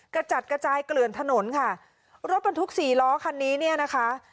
กระจัดกระจายเกลื่อนถนนค่ะรถบรรทุกสี่ล้อคันนี้เนี่ยนะคะ